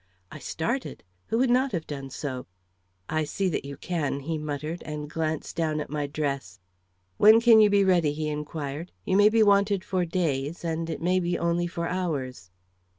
I started. Who would not have done so? "I see that you can," he muttered, and glanced down at my dress. "When can you be ready?" he inquired. "You may be wanted for days, and it may be only for hours."